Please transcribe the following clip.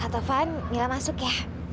kak taufan mila masuk ya